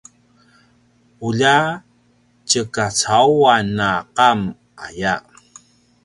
ulja tjekacauan a qam aya